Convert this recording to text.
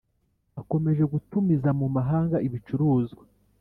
akomeje gutumiza mu mahanga ibicuruzwa